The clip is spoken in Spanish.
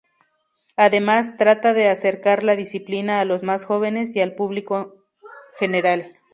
Además, trata de acercar la disciplina a los más jóvenes y al público general.